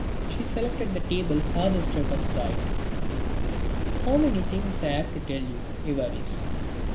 She selected the table furthest out of sight. "How many things I have to tell you, Évariste.